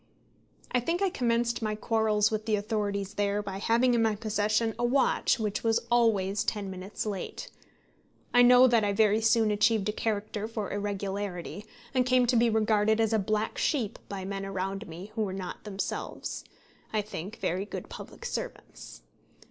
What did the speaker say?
I think I commenced my quarrels with the authorities there by having in my possession a watch which was always ten minutes late. I know that I very soon achieved a character for irregularity, and came to be regarded as a black sheep by men around me who were not themselves, I think, very good public servants.